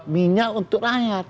minyak untuk air